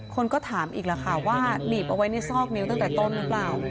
คนก็ถามอีกแล้วค่ะว่าหนีบเอาไว้ในซอกนิ้วตั้งแต่ต้นหรือเปล่า